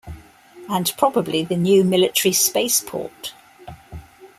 And probably the new military spaceport.